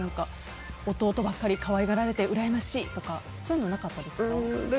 弟ばかり可愛がられてうらやましいとかそういうの、なかったですか。